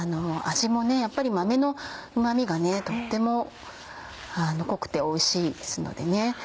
味もやっぱり豆のうま味がとっても濃くておいしいですのでね。